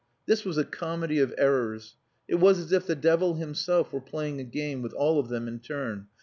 This was a comedy of errors. It was as if the devil himself were playing a game with all of them in turn.